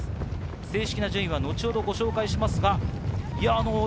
正式な順位は後ほどご紹介します。